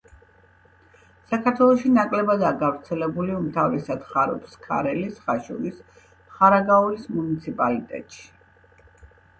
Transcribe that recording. საქართველოში ნაკლებადაა გავრცელებული, უმთავრესად ხარობს ქარელის, ხაშურის, ხარაგაულის მუნიციპალიტეტში.